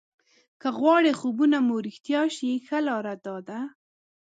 که غواړئ خوبونه مو رښتیا شي ښه لاره داده.